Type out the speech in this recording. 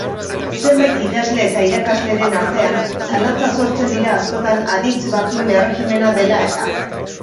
Zenbait idazle eta irakasleren artean zalantzak sortzen dira askotan aditz batzuen erregimena dela eta.